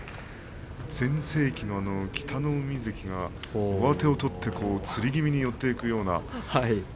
全盛期の北の湖関が上手を取ってつり気味に寄っていくような。